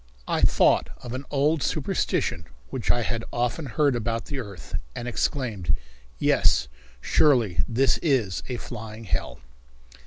I thought of an old superstition which I had often heard about the earth, and exclaimed: "Yes, surely, this is a flying hell!"